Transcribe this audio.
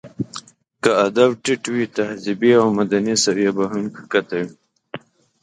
که ادب ټيت وي، تهذيبي او مدني سويه به هم ښکته وي.